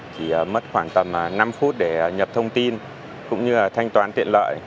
chỉ mất khoảng tầm năm phút để nhập thông tin cũng như là thanh toán tiện lợi